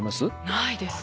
ないです。